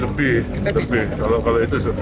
lebih lebih kalau itu sudah lebih